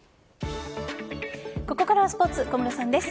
ここからはスポーツ小室さんです。